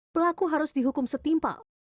pelaku harus dihukum setimpal